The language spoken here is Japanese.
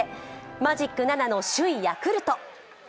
マジック７の首位ヤクルト。